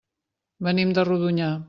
Venim de Rodonyà.